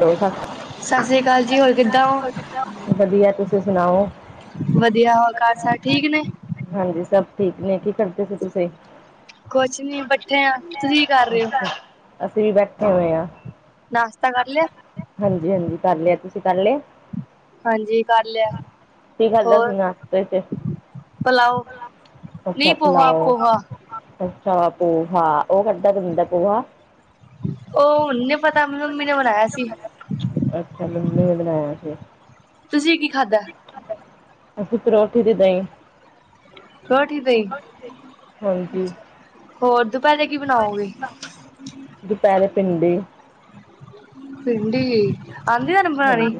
Hello ਸਤਿ ਸਤਿ ਸ੍ਰੀ ਅਕਾਲ ਜੀ ਹੋਰ ਕਿੱਦਾਂ ਐ? ਵਧੀਆ ਤੁਸੀਂ ਸੁਣਾਓ [unintelligible] ਵਧੀਆ। ਘਰ ਸਾਰੇ ਠੀਕ ਨੇਂ? ਹਾਂਜੀ ਸਭ ਠੀਕ ਨੇਂ। ਕੀ ਕਰਦੇ ਸੀ ਤੁਸੀਂ? ਕੁਛ ਨੀਂ ਬੈਠੇ ਆਂ, ਤੁਸੀਂ ਕਰ ਰਹੇ ਹੋ? ਅੱਛਾ ਅਸੀਂ ਵੀ ਬੈਠੇ ਹੋਏ ਆਂ। ਨਾਸ਼ਤਾ ਕਰ ਲਿਆ? ਹਾਂਜੀ ਹਾਂਜੀ, ਕਰ ਲਿਆ। ਤੁਸੀਂ ਕਰ ਲਿਆ? ਹਾਂਜੀ ਕਰ ਲਿਆ [inaudible] ਕੀ ਖੱਲਦਾ ਸੀ ਹੋਰ ਪਲਾਓ [unintelligible] ਅੱਛਾ ਨਹੀਂ ਪੋਹਾ ਪਲਾਓ, ਪੋਹਾ [inaudible] ਅੱਛਾ ਪੋਹਾ ਉਹ ਕੱਢ ਦਦਾ ਪੋਹਾ ਉਹ ਹੁਨ ਨੀਂ ਪਤਾ ਮ ਮੰਮੀ ਨੇਂ ਬਨਾਇਆ ਸੀ। ਅੱਛਾ, ਮੰਮੀ ਨੇਂ ਬਣਾਇਆ ਸੀ। ਤੁਸੀਂ ਕੀ ਖਾਧਾ? ਅੱਸੀਂ ਪਰੌਠੀ ਦੇ ਦਹੀਂ ਪਰੋਠੀ ਦਹੀ ਹਾਂਜੀ ਹੋਰ ਦੁਪਹਿਰੇ ਕੀ ਬਣਾਓਗੇ। ਦੁਪਹਿਰੇ ਭਿੰਡੀ। ਭਿੰਡੀ ਆਂਦੀ ਹਾਂਜੀ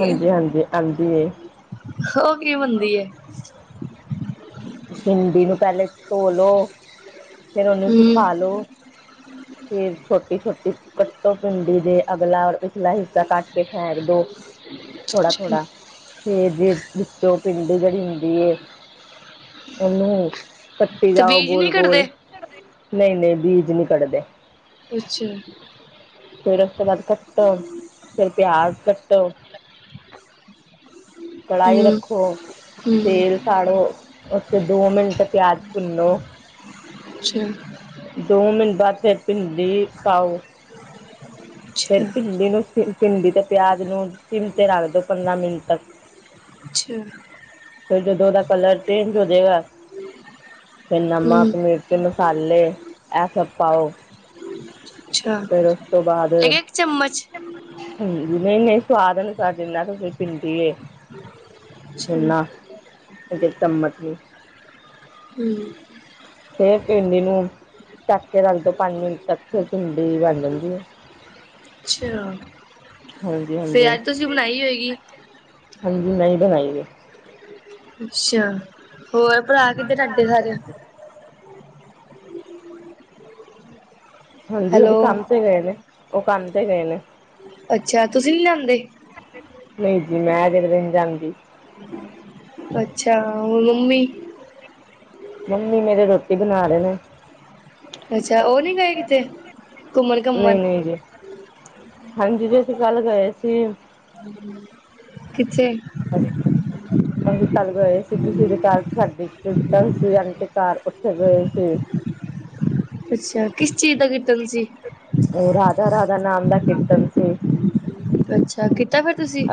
ਹਾਂਜੀ ਹਾਂਜੀ ਆਉਂਦੀ ਏ [unintelligible] ਓ ਕਿਵੇਂ ਬਣਦੀ ਐ। ਭਿੰਡੀ ਨੂੰ ਪਹਿਲੇ ਧੋਲੋ ਫੇਰ ਉਹਨੂੰ ਹਮ ਸੁਖਾਲੋ। ਫਿਰ ਛੋਟੀ ਛੋਟੀ। ਕੱਟੋ ਪਿੰਡੀ ਦੇ ਅਗਲਾ ਔਰ ਪਿਛਲਾ ਹਿੱਸਾ ਕੱਟ ਕੇ ਫੇਕ ਦੋ। ਥੋੜਾ ਥੋੜਾ ਤੇ ਜੇ ਵਿੱਚੋਂ ਪਿੰਡ ਜਿਹੜੀ ਹੁੰਦੀ ਉਹਨੂੰ ਕੱਟੀ ਤੇ ਜਾਓ ਬੀਜ ਨੀ ਗੋਲ ਕੱਢਦੇ ਗੋਲ ਨਹੀਂ ਨਹੀਂ ਬੀਜ ਨਹੀਂ ਕੱਢਦੇ। ਅੱਛਾ, ਫਿਰ ਉਸ ਤੋਂ ਬਾਅਦ ਕੱਟੋ ਫਿਰ ਪਿਆਜ ਕੱਟੋ। ਕੜਾਹੀ ਹਮ ਰੱਖੋ ਹਮ ਤੇਲ ਸਾੜੋ ਉਥੇ ਦੋ ਮਿੰਟ ਪਿਆਜ ਭੁੰਨੋ। ਅੱਛਾ, ਦੋ ਮਿੰਟਾਂ ਤੇ ਭਿੰਡੀ ਪਾਓ। ਫਿਰ ਅੱਛਾ ਭਿੰਡੀ ਨੂੰ ਭਿੰਡੀ ਤੇ ਪਿਆਜ ਨੂੰ ਸਿਮ ਤੇ ਰੱਖ ਦੋ ਪੰਦਰਾਂ ਮਿੰਟ ਤੱਕ। ਅੱਛਾ, ਫਿਰ ਜਦੋਂ ਉਹਦਾ ਕਲਰ ਚੇਂਜ ਹੋਜੇਏਗਾ ਫਿਰ ਹਮ ਨਮਕ ਨਮਕ ਮਸਾਲੇ ਇਹ ਸਭ ਪਾਓ। ਅੱਛਾ ਫੇਰ ਉਸ ਤੋਂ ਬਾਦ ਇੱਕ ਇੱਕ ਚਮਚ ਹਾਂਜੀ ਨਈ-ਨਈ ਸਵਾਦ ਅਨੁਸਾਰ ਜਿਨਾਂ [unintelligible] ਏ। ਅੱਛਾ [inaudible] ਹੂੰ। ਫੇਰ ਭਿੰਡੀ ਨੂੰ। ਢਕ ਕੇ ਰੱਖ ਦੋ ਪੰਜ ਮਿੰਟ ਤੱਕ ਫਿਰ ਭਿੰਡੀ ਬਣ ਜਾਂਦੀ ਏ। ਅੱਛਾ ਹਾਂਜੀ ਫੇ ਹਾਂਜੀ ਅੱਜ ਤੁਸੀਂ ਬਣਾਈ ਹੋਏਗੀ। ਹਾਂਜੀ ਮੈਂ ਈ ਬਣਾਈ ਏ। ਅੱਛਾ ਹੋਰ ਭਰਾ ਕਿੱਦਰ ਤੁਹਾਡੇ ਸਾਰੇ। ਹਾਂਜੀ ਓ ਵੀ ਹੈਲੋ ਕੰਮ ਤੇ ਗਏ ਨੇ ਓ ਕੰਮ ਤੇ ਗਏ ਨੇ। ਅੱਛਾ ਤੁਸੀਂ ਨੀ ਲਿਆਂਦੇ। ਨਈ ਜੀ ਮੈਂ ਤੇ [unintelligible] ਜਾਂਦੀ। [unintelligible] ਅੱਛਾ ਹੋਰ ਮੰਮੀ ਮੰਮੀ ਮੇਰੇ ਰੋਟੀ ਬਣਾ ਰੇ ਨੇ। ਅੱਛਾ ਓ ਨੀ ਗਏ ਕਿਤੇ ਘੁੰਮਣ-ਘੁੰਮਣ? [unintelligible] ਹਾਂਜੀ ਜੀ ਅਸੀਂ ਕੱਲ੍ਹ ਗਏ ਸੀ। [unintelligible] ਕਿੱਥੇ, ਅਸੀਂ ਕੱਲ ਗਏ ਸੀ ਤੁਸੀਂ ਦੇ ਘਰ ਸਾਡੇ ਸੀ [unintelligible] ਉੱਥੇ ਗਏ ਸੀ। ਅੱਛਾ ਕਿਸ ਚੀਜ਼ ਦਾ ਕੀਰਤਨ ਸੀ। ਰਾਧਾ ਰਾਧਾ ਨਾਮ ਦਾ ਕੀਰਤਨ ਸੀ। ਅੱਛਾ ਕੀਤਾ ਫਿਰ ਤੁਸੀਂ।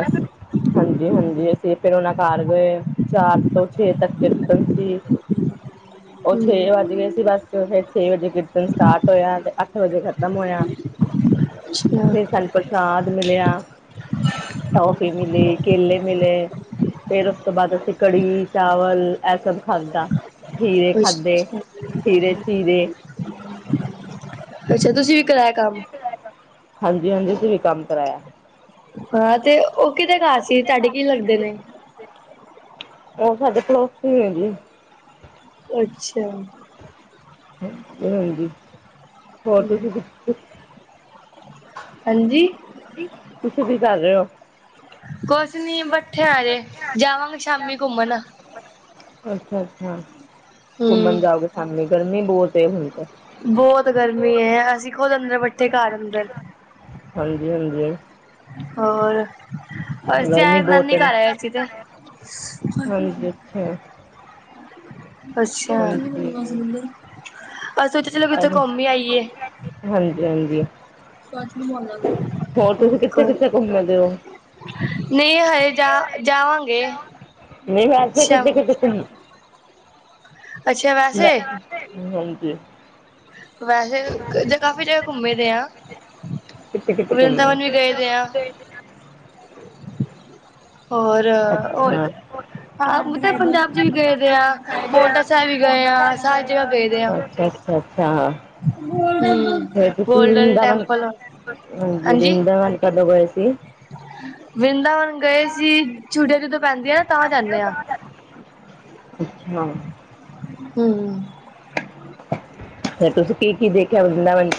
ਹਾਂਜੀ-ਹਾਂਜੀ ਅਸੀਂ ਫਿਰ ਓਨਾਂ ਘਰ ਗਏ ਚਾਰ ਤੋਂ ਛੇ ਤੱਕ ਕੀਰਤਨ ਸੀ। [unintelligible] ਓ ਛੇ ਹਮ ਵੱਜ ਗੇ ਸੀ ਬਸ ਫਿਰ ਛੇ ਵਜੇ ਕੀਰਤਨ ਸਟਾਰਟ ਹੋਇਆ ਤੇ ਅੱਠ ਵਜੇ ਖ਼ਤਮ ਹੋਇਆ। ਅੱਛਾ ਫੇਰ ਸਾਨੂੰ ਪ੍ਰਸ਼ਾਦ ਮਿਲਿਆ। ਟੋਫੀ ਮਿਲੀ ਕੇਲੇ ਮਿਲੇ। ਫੇਰ ਉਸ ਤੋਂ ਬਾਅਦ ਅਸੀਂ ਕੜੀ ਚਾਵਲ ਐ ਸਭ ਖਾਧਾ। ਖੀਰੇ ਖਾਧੇ ਅੱਛਾ ਖੀਰੇ ਚੀਰੇ। ਅੱਛਾ ਤੁਸੀਂ ਵੀ ਕਰਾਇਆ ਕੰਮ ਹਾਂਜੀ-ਹਾਂਜੀ ਅਸੀਂ ਵੀ ਕੰਮ ਕਰਾਇਆ। ਹਾਂ ਤੇ ਓ ਕਿਦੇ ਘਰ ਸੀ ਤੁਹਾਡੇ ਕੀ ਲੱਗਦੇ ਨੇ। ਓ ਸਾਡੇ ਪੜੋਸੀ ਨੇ ਜੀ। ਅੱਛਾ ਹਾਂਜੀ ਹੋਰ ਹਮ ਤੁਸੀ ਹਾਂਜੀ ਤੁਸੀਂ ਵੀ ਕਰ ਰਹੇ ਉ। ਕੁੱਛ ਨੀ ਬੈਠੇ ਆ ਅਜੇ ਜਾਵਾਂਗੇ ਸ਼ਾਮੀ ਘੁੰਮਣ ਅੱਛਾ-ਅੱਛਾ ਘੁੰਮਣ ਹੂੰ, ਜਾਓਗੇ ਸ਼ਾਮੀ ਗਰਮੀ ਬੋਤ ਹੁਣ ਤੇ ਬੋਤ ਗਰਮੀ ਏ ਅਸੀਂ ਖੁਦ ਅੰਦਰ ਬੈਠੇ ਘਰ ਅੰਦਰ ਹਾਂਜੀ-ਹਾਂਜੀ ਹੋਰ ਅੱਛਾ ਗਰਮੀ ਬਹੁਤ ਨਾਨੀ ਹੈ ਘਰ ਆਏ ਅਸੀ ਤੇ ਹਾਂਜੀ ਅੱਛਾ ਅੱਛਾ ਹਾਂਜੀ [unintelligible] ਚਲੋ ਕਿਤੇ ਘੁੰਮ ਈ ਆਈਏ। ਹਾਂਜੀ-ਹਾਂਜੀ [unintelligible] ਹੋਰ ਤੁਸੀਂ ਕਿੱਥੇ-ਕਿੱਥੇ ਘੁੰਮਦੇ ਓ। ਨਹੀਂ ਹਜੇ ਜਾ ਜਾਵਾਂਗੇ। ਨਹੀਂ ਵੈਸੇ ਕਿੱਥੇ- ਸ਼ਾਮ ਕਿੱਥੇ ਘੁੰਮ ਅੱਛਾ ਵੈਸੇ ਹਾਂਜੀ ਵੈਸੇ ਇਦੇ ਕਾਫ਼ੀ ਜਗ੍ਹਾ ਘੁੰਮੇ ਦੇ ਹਾਂ। ਕਿੱਥੇ ਕਿੱਥੇ ਘੁੰਮੇ ਵ੍ਰਿੰਦਾਵਨ ਵੀ ਗਏ ਦੇ ਆ। ਹੋਰ- ਹੋਰ ਅੱਛਾ ਹਾਂ ਮਤਲਬ ਪੰਜਾਬ 'ਚ ਅੱਛਾ ਵੀ ਗਏ ਦੇ ਆ ਪਉਂਟਾ ਸਾਹਿਬ ਵੀ ਗਏ ਆ ਸਾਰੇ ਜਗ੍ਹਾ ਗਏ ਦੇ ਆਂ। ਅੱਛਾ ਅੱਛਾ ਫਿਰ ਤੁਸੀਂ ਵੀ ਗੋਲਡਨ ਵੰਰਿਦਾਵਨ ਟੈਂਪਲ ਹਾਂਜੀ ਵਰਿੰਦਾਵਨ ਕਦੋਂ ਗਏ ਸੀ। ਵਰਿੰਦਾਵਨ ਗਏ ਸੀ ਛੁਟੀਆਂ ਜਦੋਂ ਪੈਂਦੀਆਂ ਤਾਂ ਜਾਂਦੇ ਆਂ। ਅੱਛਾ ਹੂੰ ਫਿਰ ਤੁਸੀਂ ਕੀ- ਕੀ ਦੇਖਿਆ ਵਰਿੰਦਾਵਨ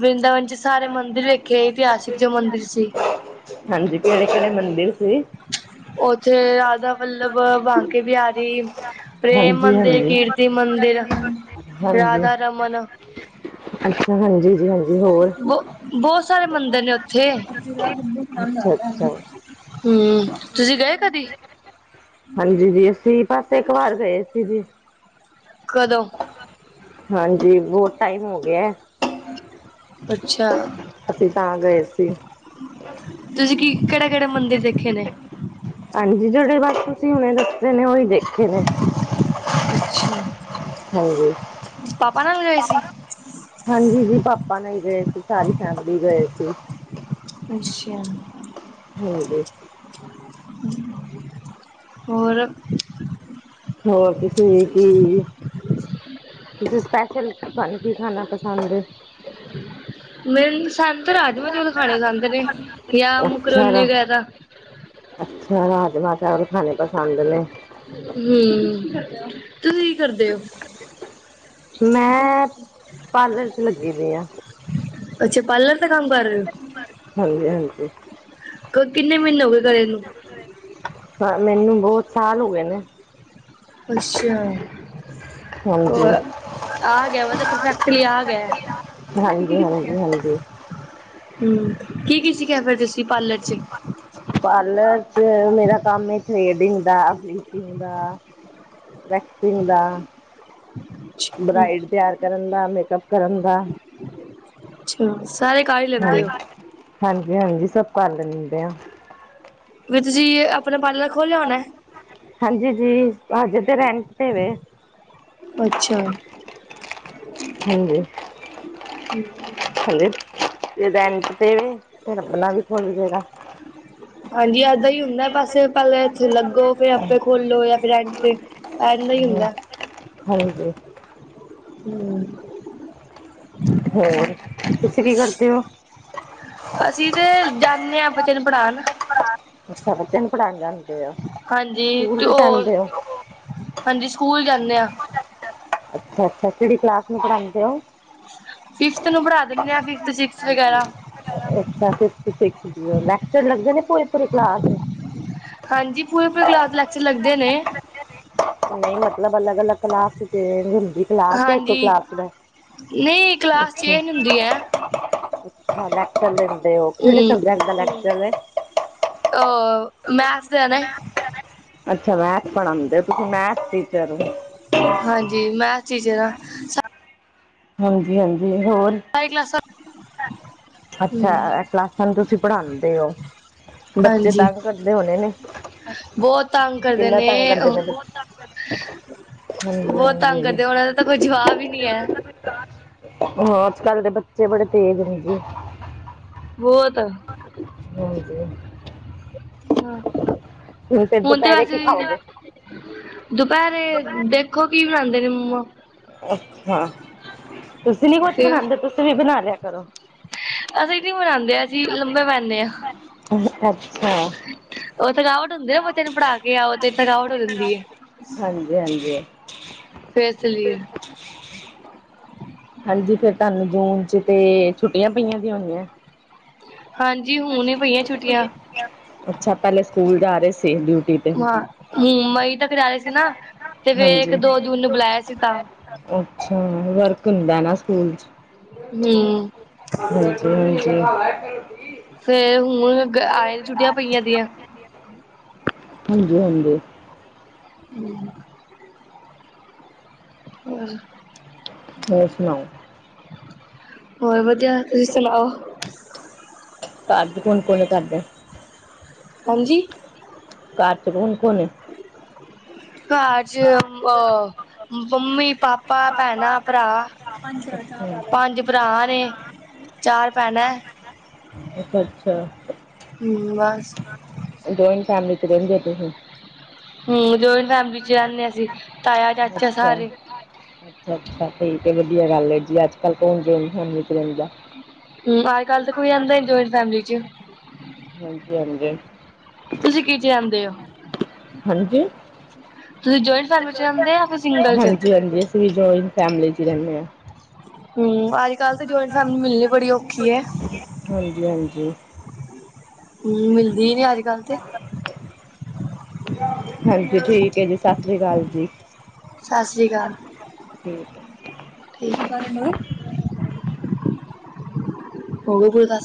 ਵ੍ਰਿੰਦਾਵਨ 'ਚ ਸਾਰੇ ਮੰਦਿਰ ਵੇਖੇ ਇਤਿਹਾਸਿਕ ਜੋ ਮੰਦਿਰ ਸੀ। ਹਾਂਜੀ ਕਿਹੜੇ- ਕਿਹੜੇ ਮੰਦਿਰ ਸੀ। ਉੱਥੇ ਰਾਧਾ ਵੱਲਬ ਬਾਂਕੇ ਬਿਹਾਰੀ ਪ੍ਰੇਮ ਹਾਂਜੀ ਮੰਦਿਰ, ਹਾਂਜੀ ਕੀਰਤੀ ਮੰਦਿਰ, ਹਾਂਜੀ ਰਾਧਾ ਰਮਨ ਅੱਛਾ ਹਾਂਜੀ ਜੀ ਹਾਂਜੀ ਹੋਰ ਬੋਤ ਸਾਰੇ ਮੰਦਿਰ ਨੇ ਓਥੇ ਅੱਛਾ-ਅੱਛਾ ਹੂੰ ਤੁਸੀਂ ਗਏ ਕਦੀ ਹਾਂਜੀ ਜੀ ਅਸੀਂ ਬਸ ਇਕ ਵਾਰ ਗਏ ਸੀ ਜੀ। ਕਦੋ ਹਾਂਜੀ ਬਹੁਤ ਟਾਈਮ ਹੋ ਗਿਆ। ਅੱਛਾ ਅਸੀਂ ਤਾਂ ਗਏ ਸੀ। ਤੁਸੀਂ ਕੀ ਕਿਹੜੇ- ਕਿਹੜੇ ਮੰਦਿਰ ਦੇਖੇ ਨੇ। ਹਾਂਜੀ ਜਿਹੜੇ ਬਸ ਤੁਸੀਂ ਹੁਣੇ ਦੱਸੇ ਨੇ ਉਹੀ ਦੇਖੇ ਨੇ। ਅੱਛਾ ਹਾਂਜੀ ਪਾਪਾ ਨਾਲ ਗਏ ਸੀ ਹਾਂਜੀ ਜੀ ਪਾਪਾ ਨਾਲ ਗਏ ਸੀ ਸਾਰੀ ਫੈਮਿਲੀ ਗਏ ਸੀ। ਅੱਛਾ। ਹੋਰ ਦੇ ਹੋਰ ਹੋਰ ਤੁਸੀ ਕੀ ਤੁਸੀਂ ਸਪੈਸ਼ਲ ਤਾਨੂੰ ਕੀ ਖਾਣਾ ਪਸੰਦ ਏ? ਮੇਰੀ ਪਸੰਦ ਤਾਂ ਰਾਜਮਾਂ ਚੌਲ ਖਾਣੇ ਪਸੰਦ ਨੇ ਜਾਂ ਅੱਛਾ ਮੈੱਕਰੋਨੀ ਰਾ ਵਗੈਰਾ। ਅੱਛਾ ਰਾਜਮਾਂ-ਚਾਵਲ ਖਾਣੇ ਪਸੰਦ ਨੇ। ਹੂੰ। ਤੁਸੀਂ ਕੀ ਕਰਦੇ ਓ? ਮੈਂ ਪਾਰਲਰ 'ਚ ਲੱਗੀ ਦੀ ਆ ਅੱਛਾ ਪਾਲਰ ਤਾਂ ਕੰਮ ਕਰ ਰਹੇ ਔ। ਹਾਂਜੀ ਹਾਂਜੀ ਕਿੰਨੇ ਮਹੀਨੇ ਹੋ ਗਏ ਨੂੰ? [inaudible] ਮੈਨੂੰ ਬਹੁਤ ਸਾਲ ਹੋਗੇ ਨੇ ਅੱਛਾ। ਹਾਂਜੀ ਹੋਰ ਆ ਗਿਆ ਮ ਤਾਂ ਪਰਫੈਕਟਲੀ ਆ ਗਿਆ। ਹਾਂਜੀ-ਹਾਂਜੀ-ਹਾਂਜੀ। ਹੂੰ ਕੀ-ਕੀ ਸੀਖਿਆ ਫਿਰ ਤੁਸੀਂ ਪਾਰਲਰ ਚ ਪਾਰਲਰ ਚ ਮੇਰਾ ਕੰਮ ਥ੍ਰੇਡਿੰਗ ਦਾ, ਅਪਰਲਿਪਸਿੰਗ ਦਾ। ਵੈਕਸਿੰਗ ਦਾ, ਬਰਾਈਡ ਤਿਆਰ ਕਰਨ ਦਾ, ਮੇਕਅੱਪ ਕਰਨ ਦਾ। ਅੱਛਾ। ਸਾਰੇ ਕਰ ਹੀ ਹਾਂ ਲੈਂਦੇ ਹੋ ਹਾਂਜੀ-ਹਾਂਜੀ ਸਭ ਕਰ ਲੈਂਦੇ ਆਂ। ਵਿਚ ਸੀ ਤੁਸੀਂ ਆਪਣਾ ਪਾਰਲਰ ਖੋਲਿਆ ਹੋਣਾ। ਹਾਂਜੀ ਜੀ, ਹਜੇ ਤੇ ਰੈਂਟ ਤੇ ਵੇ ਅੱਛਾ ਹੂੰ ਹਜੇ ਰੈਂਟ ਤੇ ਵੇ ਫੇਰ ਅਪਣਾ ਵੀ ਭੁੱਲ ਜੇਗਾ ਹਾਂਜੀ, ਏਦਾਂ ਹੀ ਹੁੰਦਾ ਬਸ ਪਹਿਲ ਇੱਥੋਂ ਲੱਗੋ ਫੇਰ ਆਪੇ ਖੋਲੋ ਜਾਂ ਬਰੈਡ ਦੇ ਹਾਂਜੀ। ਹੂੰ। ਹੋਰ, ਤੁਸੀਂ ਕੀ ਕਰਦੇ ਓ? ਅਸੀਂ ਤੇ ਜਾਂਣੇ ਹਾਂ, ਬੱਚੇ ਨੂੰ ਪੜਾਣ- ਅੱਛਾ, ਬੱਚਿਆ ਨੂੰ ਪੜ੍ਹਾਣ ਜਾਂਦੇ ਔ ਹਾਂਜੀ ਤੇ ਉਹ ਹਾਂਜੀ ਸਕੂਲ ਜਾਣੇ ਆ ਅੱਛ-ਅੱਛਾ ਕਿਹੜੀ ਕਲਾਸ ਨੂੰ ਪੜ੍ਹਾਂਦੇ ਹੋ ਫਿਫਥ ਨੂੰ ਪੜ੍ਹਾ ਦਿੰਣੇ ਹਾਂ, ਫਿਫੱਥ, ਸਿਕਸ ਵਗੈਰਾ ਅੱਛਾ, ਫਿਫੱਥ, ਸਿਕਸਥ ਲੈਕਚਰ ਲੱਗਦੇ ਨੇ ਪੂਰੀ-ਪੂਰੀ ਕਲਾਸ ਦੇ ਹਾਂਜੀ, ਪੂਰੇ-ਪੂਰੇ ਕਲਾਸ ਦੇ ਲੈਕਚਰ ਲੱਗਦੇ ਨੇ ਮਤਲਬ ਅਲੱਗ-ਅਲੱਗ ਕਲਾਸ ਹਿੰਦੀ ਕਲਾਸ ਜਾਂ ਇੱਕ ਹਾਂਜੀ। ਕਲਾਸ ਦਾ ਨਹੀਂ ਕਲਾਸ ਅੱਛਾ ਚੇਂਜ ਹੁੰਦੀ ਐ। ਲੈਕਚਰ ਦਿੰਦੇ ਓ ਕਿਹੜੇ ਹੂੰ। ਸਬਜੈਕਟ ਦਾ ਲੈਕਚੱਰ ਏ ਅਹ ਮੈਂੱਥਸ ਦੇ ਨੇ ਅੱਛਾ, ਮੈਥਸ ਪੜ੍ਹਾਦੇ ਹੋ ਤੁਸੀਂ ਮੈਥਸ ਟੀਚਰ ਹੋ ਹਾਂਜੀ, ਮੈਂਥਸ ਟੀਚਰ ਆ ਸਾਰੀ ਹਾਂਜੀ-ਹਾਂਜੀ ਹੋਰ ਸਾਰੀ ਕਲਾਸਾ ਅੱਛਾ, ਇਹ ਕਲਾਸਾਂ ਨੂੰ ਤੁਸੀਂ ਪੜ੍ਹਾਦੇ ਹੋ ਬੱਚੇ ਹਾਂਜੀ ਤੰਗ ਕਰਦੇ ਹੋਣੇ ਨੇ ਬਹੁਤ ਤੰਗ ਕਰਦੇ ਕਿੰਨਾ ਨੇ ਤੰਗ ਕਰਦੇ ਠੇ ਬਹੁਤ ਤੰਗ ਹਾਂਜੀ-ਹਾਂਜੀ। ਕਰਦੇ ਉਹਨਾਂ ਦਾ ਤਾਂ ਕੋਈ ਜਵਾਬ ਹੀ ਨਹੀਂ ਹੈ ਹਾਂ, ਅੱਜ ਕੱਲ੍ਹ ਦੇ ਬੱਚੇ ਬੜੇ ਤੇਜ਼ ਨੀ ਜੀ ਬਹੁਤ ਹਾਂਜੀ ਹਾਂ ਹੁਣ ਤਾਂ ਐਸੇ ਹੀ ਕੀ ਬਣਾਉਂਦੇ ਨੇ ਮੰਮਾ ਹਾਂ ਤੁਸੀਂ ਨੀ ਕੁੱਛ ਤੇ ਬਣਾਂਦੇ, ਤੁਸੀਂ ਵੀ ਬਣਾ ਲਿਆ ਕਰੋ। ਅਸੀਂ ਨੀ ਮਨਾਂਦੇ ਆ ਅਸੀਂ ਲੰਬੇ ਪੈਂਦੇ ਹਾਂ ਅੱਛਾ ਉਹ ਥਕਾਵਟ ਹੁੰਦੀ ਨਾ ਬੱਚੇ ਨੂੰ ਪੜ੍ਹਾ ਕੇ, ਆਓ ਤੇ ਥਕਾਵਟ ਹੋ ਜਾਂਦੀ ਐ, ਹਾਂਜੀ ਹਾਂਜੀ ਫੇਰ ਚਲੀ ਏ ਹਾਂਜੀ, ਫੇਰ ਤੁਹਾਨੂੰ ਜੂਨ ਚ ਤੇ ਛੁੱਟੀਆਂ ਪਈਆਂ ਦੀ ਹੋਣੀਆਂ ਹਾਂਜੀ, ਹੁਣ ਹੀ ਪਈਆਂ ਛੁੱਟੀਆਂ ਅੱਛਾ, ਪਹਿਲੇ ਸਕੂਲ ਜਾ ਰਹੇ ਸੀ ਡਿਊਟੀ ਤੇ ਹਾਂ, ਮਈ ਤੱਕ ਜਾ ਰਹੇ ਸੀ ਨਾ ਤੇ ਫੇਰ ਇੱਕ, ਹਾਂਜੀ ਦੋ ਜੂਨ ਨੂੰ ਬੁਲਾਇਆ ਸੀ ਤਾਂ ਅੱਛਾ, ਵਰਕ ਹੁੰਦਾ ਨਾ ਸਕੂਲ ਚ ਹੂੰ ਹਾਂਜੀ-ਹਾਂਜੀ ਫੇਰ ਹੁਣ ਆਏ ਨੇ, ਛੁੱਟੀਆਂ ਪਈਆਂ ਦੀਆਂ ਹਾਂਜੀ-ਹਾਂਜੀ ਹੂੰ [inaudible] ਹੋਰ ਸੁਣਾਓ? ਹੋਰ ਵਧੀਆ ਤੁਸੀਂ ਸੁਣਾਓ? ਘਰ ਚ ਕੋਣ ਕੋਣ ਤੁਹਾਡੇ? ਹਾਂਜੀ। ਘਰ ਚ ਕੋਣ, ਕੋਣ ਏ। ਘਰ ਚ ਅਹ ਮੰਮੀ ਪਾ ਭਾ ਭੈਣ ਭਰਾ ਅੱਛਾ ਪੰਜ ਭਰਾ ਨੇ ਚਾਰ ਭੈਣਾਂ ਏ। ਅੱਛਾ, ਅੱਛਾ ਹੂੰ, ਬਸ। ਜੋਇੰਟ ਫੈਮਿਲੀ ਚ ਰਹਿੰਦੇ ਓ ਤੁਸੀਂ। ਹੂੰ, ਜਆਇੰਟ ਫੈਮਿਲੀ ਚ ਰਹਿੰਦੇ ਆ ਰਹੀ ਅਸੀਂ। ਤਾਇਆ, ਚਾਚਾ ਅੱਛਾ। ਸਾਰੇ ਅੱਛਾ, ਅੱਛਾ ਸਹੀ ਤੇ ਵਧੀਆ ਗੱਲ ਐ ਜੀ, ਅੱਜ ਕੱਲ ਕੋਣ ਜੋਇੰਟ ਫੈਮਲੀ ਚ ਰਹਿੰਦਾ। ਹੂੰ ਅੱਜ ਕੱਲ ਤਾਂ ਕੋਈ ਰਹਿੰਦਾ ਨੀ ਜੁਆਇੰਟ ਫੈਮਿਲੀ ਚ ਹਾਂਜੀ, ਹਾਂਜੀ ਤੁਸੀਂ ਕੀ ਚ ਜਾਂਦੇ ਹੋ। ਹਾਂਜੀ ਤੁਸੀਂ ਜਆਇੰਟ ਫੈਮਲੀ ਚ ਰਹਿੰਦੇ ਓ ਜਾਂ ਫਿਰ ਸਿੰਗਲ ਚ ਨਹੀਂ ਜੋਇੰਟ ਫੈਮਿਲੀ ਚ ਰਹਿੰਦੇ ਹਾਂ। ਹੂੰ, ਅੱਜ ਕਲ੍ਹ ਤੇ ਜੋਇੰਟ ਫੈਮਲੀ ਮਿਲਣੀ ਬੜੀ ਔਖੀ ਹੈ। ਹਾਂਜੀਹਾਂਜੀ ਮਿਲਦੀ ਨੀ ਅਜ ਹਾਂਜੀ, ਠੀਕ ਜੀ, ਸਤਿ ਸ੍ਰੀ ਅਕਾਲ ਜੀ। ਸਤਿ ਸ੍ਰੀ ਅਕਾਲ ਠੀਕ ਹੈ ਠੀਕ। [unintelligible]